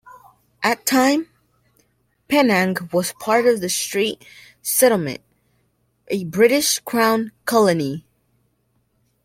At the time, Penang was part of the Straits Settlement, a British Crown colony.